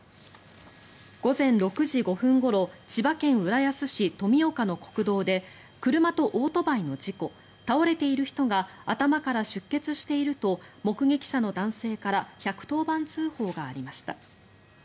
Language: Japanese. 午前６時５分ごろ千葉県浦安市富岡の国道で車とオートバイの事故倒れている人が頭から出血していると目撃者の男性から１１０番通報がありました。